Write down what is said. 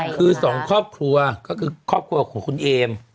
คือสองครอบครัวก็คือครอบครัวของคุณเอม